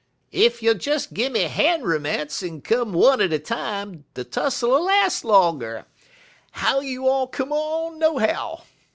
Ef you'll des gimme han' roomance en come one at a time, de tussle 'll las' longer. How you all come on, nohow?'